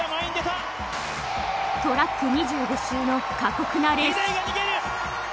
トラック２５周の過酷なレース。